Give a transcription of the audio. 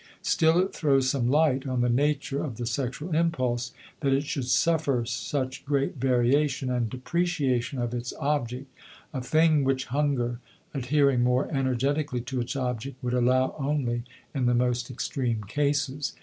Still it throws some light on the nature of the sexual impulse, that it should suffer such great variation and depreciation of its object, a thing which hunger, adhering more energetically to its object, would allow only in the most extreme cases.